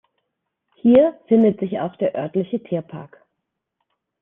Hier findet sich auch der örtliche Tierpark.